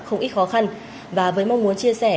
không ít khó khăn và với mong muốn chia sẻ